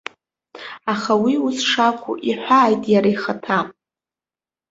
Аха уи ус шакәуиҳәааит иара ихаҭа.